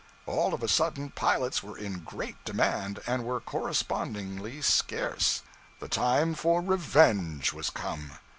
All of a sudden pilots were in great demand, and were correspondingly scarce. The time for revenge was come.